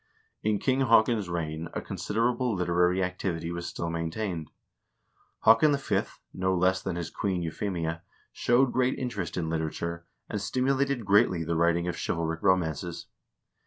In King Haakon's reign a considerable literary activity was still maintained. Haakon V., no less than his queen, Kuphemia, showed great interest in literature, and stimulated greatly the writing of chivalric romances.